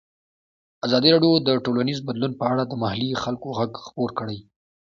ازادي راډیو د ټولنیز بدلون په اړه د محلي خلکو غږ خپور کړی.